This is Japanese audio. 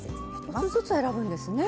１つずつ選ぶんですね？